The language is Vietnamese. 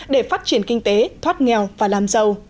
để phát triển kinh tế thoát nghèo và làm giàu